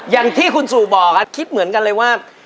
อย่างที่คุณสู่บอกครับคิดเหมือนกันเลยว่า